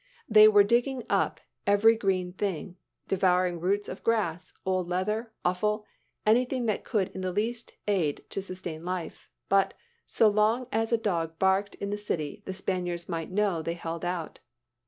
They were digging up every green thing, devouring roots of grass, old leather, offal, anything that could in the least aid to sustain life. But "so long as a dog barked in the city, the Spaniards might know they held out."